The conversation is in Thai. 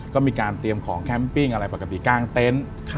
ก็มีการเตรียมของแคมปิ้งอะไรปกติกลางเต็นต์